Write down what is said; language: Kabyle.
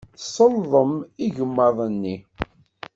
Tselḍem igmaḍ-nni.